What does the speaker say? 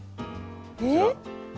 えっ！